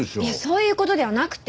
そういう事ではなくて。